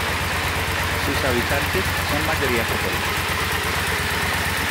Sus habitantes son mayoría católicos.